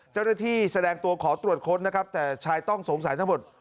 แสดงตัวขอตรวจค้นนะครับแต่ชายต้องสงสัยทั้งหมด